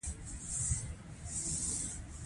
اردن پخپله یو پرمختللی هېواد دی.